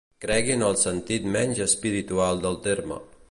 Cregui en el sentit menys espiritual del terme.